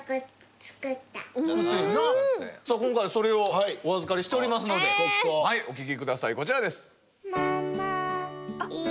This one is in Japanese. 今回それをお預かりしておりますのではいお聴きくださいこちらです。